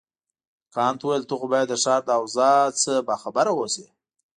کانت وویل ته خو باید د ښار له اوضاع نه باخبره اوسې.